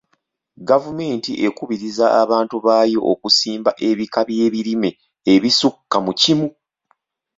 Gavumenti ekubiriza abantu baayo okusimba ebika by'ebirime ebisukka mu kimu.